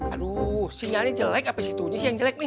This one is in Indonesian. aduh sinyalnya jelek apa situnya sih yang jelek nih